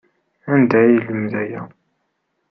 Anda ay yelmed aya?